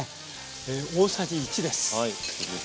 大さじ１です。